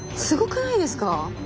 すごくないですか？